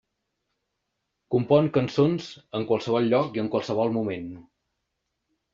Compon cançons en qualsevol lloc i en qualsevol moment.